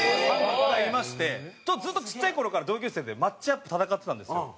ずっとちっちゃい頃から同級生でマッチアップ戦ってたんですよ。